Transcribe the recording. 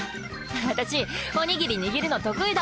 私おにぎり握るの得意だ。